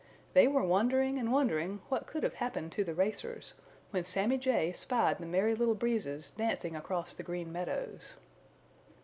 They were wondering and wondering what could have happened to the racers, when Sammy Jay spied the Merry Little Breezes dancing across the Green Meadows.